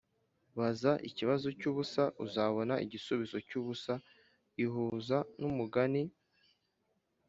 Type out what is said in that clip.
baza ikibazo cyubusa uzabona igisubizo cyubusa ihuza numugani